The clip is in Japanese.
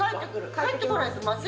帰ってこないと。